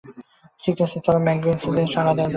ঠিক আছে, চলো ম্যাকগুইনেস দের তাড়া দেয়া যাক।